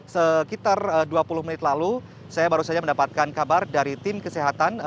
sekitar dua puluh menit lalu saya baru saja mendapatkan kabar dari tim kesehatan